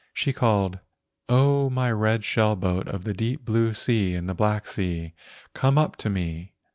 She called, "O my red shell boat of the deep blue sea and the black sea, come up to me."